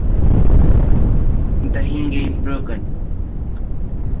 The hinge is broken.